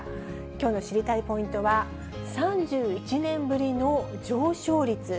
きょうの知りたいポイントは、３１年ぶりの上昇率。